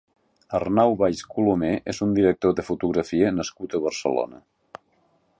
Arnau Valls Colomer és un director de fotografia nascut a Barcelona.